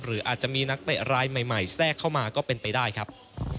หรืออาจจะมีนักเตะรายใหม่แทรกเข้ามาก็เป็นไปได้ครับ